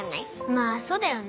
まぁそうだよね。